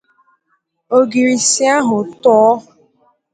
Ogirisi ahụ too